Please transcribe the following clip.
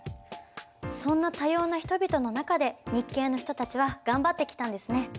そんな多様な人々の中で日系の人たちは頑張ってきたんですね。